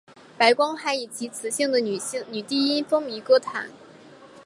白光还以其磁性的女低音风靡歌坛。